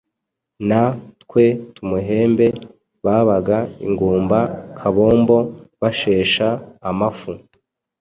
na twe tumuhembe.” Babaga Ingumba kabombo, bashesha amafu,